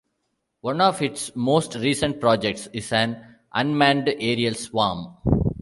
One of its most recent projects is an unmanned aerial 'swarm'.